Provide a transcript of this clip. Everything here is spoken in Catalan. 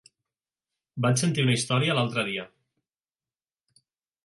Vaig sentir una història l'altre dia.